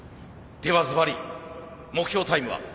ではずばり目標タイムは？